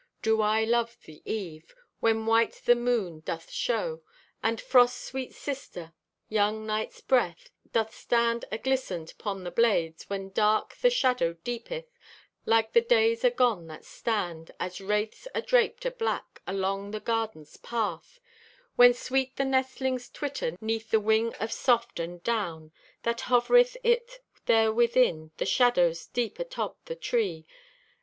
Do I to love the eve, When white the moon doth show, And frost's sweet sister, young night's breath, Doth stand aglistened 'pon the blades; When dark the shadow deepeth, Like to the days agone that stand As wraiths adraped o' black Along the garden's path; When sweet the nestlings twitter 'Neath the wing of soft and down That hovereth it there within The shadows deep atop the tree?